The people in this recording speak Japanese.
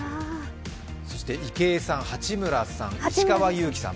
そして池江さん、八村さん、バレーの石川祐希さん